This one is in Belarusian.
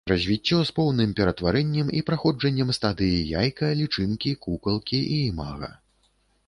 Развіццё з поўным ператварэннем і праходжаннем стадыі яйка, лічынкі, кукалкі і імага.